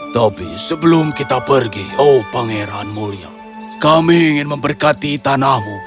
tapi sebelum kita pergi oh pangeran mulia kami ingin memberkati tanahmu